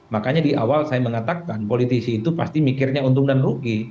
makanya di awal saya mengatakan politisi itu pasti mikirnya untung dan rugi